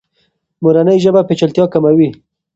مورنۍ ژبه پیچلتیا کموي.